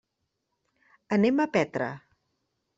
Anem a Petra.